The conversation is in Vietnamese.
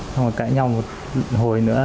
xong rồi cãi nhau một hồi nữa